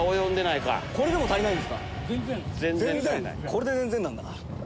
これで全然なんだ。